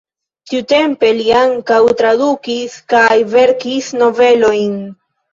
Tiutempe li ankaŭ tradukis kaj verkis novelojn.